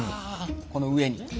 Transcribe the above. この上に。